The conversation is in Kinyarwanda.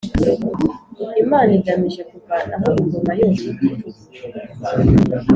Imana igamije kuvanaho ingoma yose y’igitugu